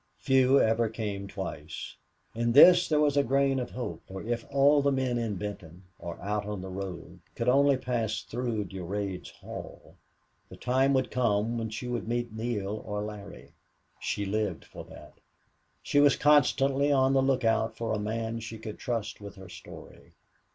Few ever came twice. In this there was a grain of hope, for if all the men in Benton, or out on the road, could only pass through Durade's hall, the time would come when she would meet Neale or Larry. She lived for that. She was constantly on the lookout for a man she could trust with her story.